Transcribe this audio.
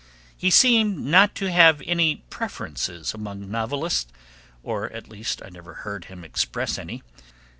He seemed not to have any preferences among novelists; or at least I never heard him express any.